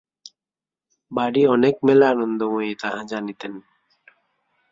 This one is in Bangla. বাড়ি অনেক মেলে আনন্দময়ী তাহা জানিতেন।